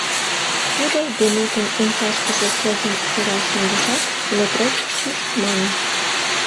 Тудо Генокын умшашкыже чызым шурал шындышат, «Лотрес, шӱш, — мане.